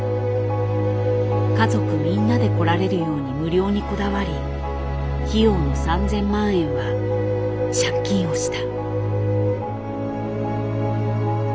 家族みんなで来られるように無料にこだわり費用の３０００万円は借金をした。